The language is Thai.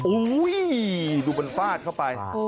โอ้ยดูบนฟาดเข้าไป